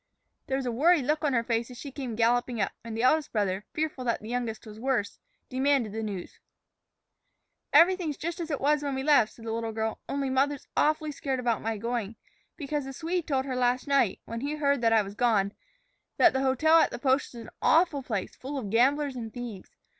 There was a worried look on her face as she came galloping up, and the eldest brother, fearful that the youngest was worse, demanded the news. "Everything's just as it was when we left," said the little girl, "only mother's awfully scared about my going, because the Swede told her last night, when he heard that I was gone, that the hotel at the post is an awful place, full of gamblers and thieves.